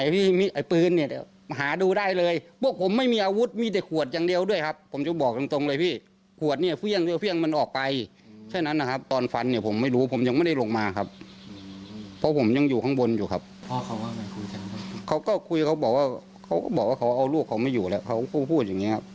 เขาก็คุยเขาบอกว่าเขาบอกว่าเขาเอาลูกเขาไม่อยู่แล้วเขาก็พูดอย่างนี้ครับ